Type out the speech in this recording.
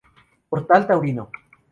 Portal Taurino.